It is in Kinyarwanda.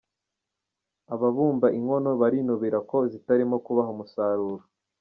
Ababumba inkono barinubira ko zitarimo kubaha umusaruro.